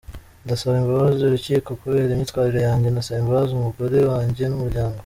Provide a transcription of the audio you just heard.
Ndasaba imbabazi urukiko kubera imyitwarire yanjye, ndasaba imbabazi umugore wanjye n’umuryango.